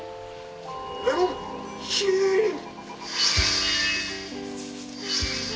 「レモンヒーリング」。